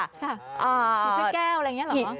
ถือถ้วยแก้วอะไรอย่างนี้เหรอ